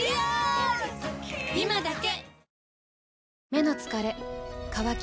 今だけ！